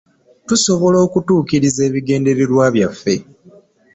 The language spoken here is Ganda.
Tusobola okutuukiriza ebigendererwa byaffe